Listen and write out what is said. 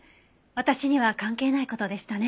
私には関係ない事でしたね。